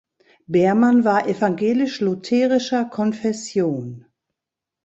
Beermann war evangelisch-lutherischer Konfession.